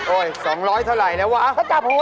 โอ๊ย๒๐๐เท่าไรแล้ววะเขาจับหู